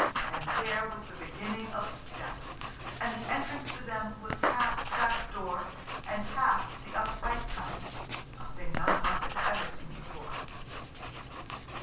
And there was the beginning of steps, and the entrance to them was half trap door, and half the upright kind–a thing none of us had seen before.